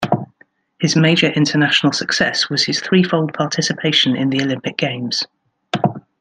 His major international success was his threefold participation in the Olympic Games.